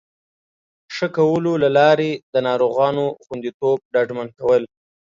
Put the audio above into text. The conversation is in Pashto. ښه کولو له لارې د ناروغانو خوندیتوب ډاډمن کول